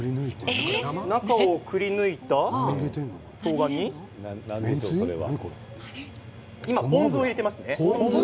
中をくりぬいたとうがんに今ポン酢を入れていますね。